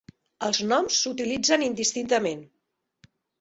Els noms s'utilitzen indistintament.